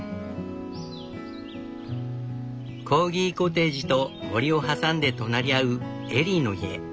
コーギコテージと森を挟んで隣り合うエリーの家。